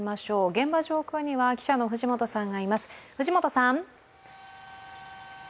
現場上空には記者の藤本さんがいます。